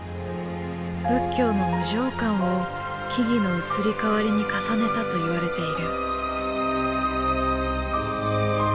仏教の無常観を木々の移り変わりに重ねたといわれている。